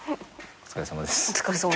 お疲れさまです。